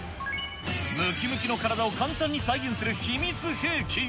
ムキムキの体を簡単に再現する秘密兵器が。